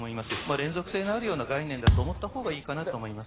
連続性のあるような概念だと思ったほうがいいかなと思います。